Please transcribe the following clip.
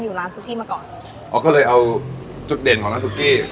อยู่ร้านซุกกี้มาก่อนอ๋อก็เลยเอาจุดเด่นของร้านซุกี้